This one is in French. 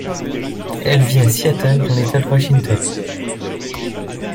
Elle vit à Seattle dans l’État de Washington.